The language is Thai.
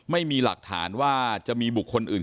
ไม่มีหลักฐานว่าจะมีบุคคลอื่น